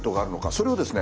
それをですね